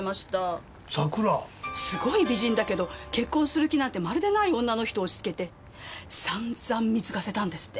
すごい美人だけど結婚する気なんてまるでない女の人を押し付けて散々貢がせたんですって。